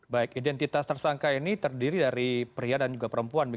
baik identitas tersangka ini terdiri dari pria dan juga perempuan